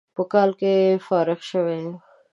په کال کې فارغ شوى يم.